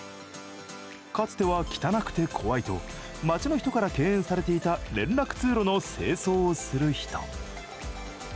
かつては汚くて怖いと街の人から敬遠されていた連絡通路の清掃をする人。